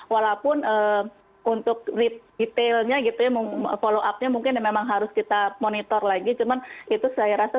walaupun untuk detailnya gitu follow upnya mungkin memang harus kita monitor lagi cuman itu saya rasa